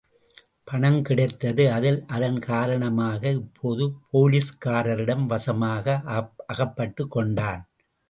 பணம் கிடைத்தது அதில், அதன் காரணமாக, இப்போது போலீஸ்காரரிடம் வசமாக அகப்பட்டுக்கொண்டான்.